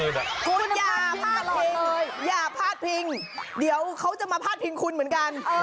คุณอย่าพลาดพิงเลยอย่าพาดพิงเดี๋ยวเขาจะมาพาดพิงคุณเหมือนกัน